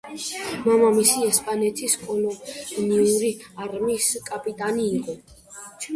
მამამისი ესპანეთის კოლონიური არმიის კაპიტანი იყო.